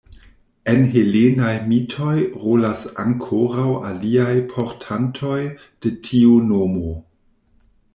En helenaj mitoj rolas ankoraŭ aliaj portantoj de tiu nomo.